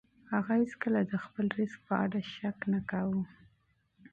هغه هیڅکله د خپل رزق په اړه شک نه کاوه.